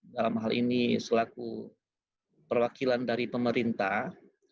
dalam hal ini selaku perwakilan dari pemerintah